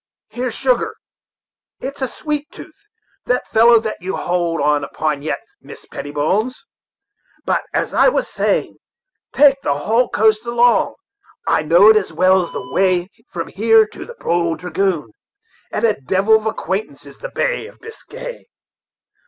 Here's sugar. It's a sweet tooth, that fellow that you hold on upon yet, Mistress Prettybones. But, as I was saying, take the whole coast along, I know it as well as the way from here to the Bold Dragoon; and a devil of acquaintance is that Bay of Biscay.